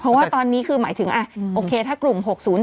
เพราะว่าตอนนี้คือหมายถึงโอเคถ้ากลุ่ม๖๐๔